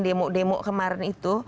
demo demo kemarin itu